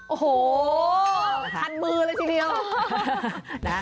โอ้โหทันมือเลยทีเดียว